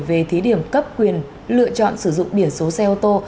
về thí điểm cấp quyền lựa chọn sử dụng biển số xe ô tô